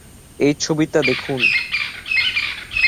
এই ছবিটা দেখুন।